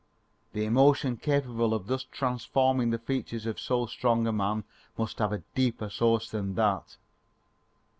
the emotion capable of thus transforming the features of so strong a man must have a deeper source than that.